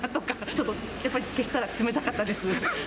ちょっとやっぱり消したら冷たかったです。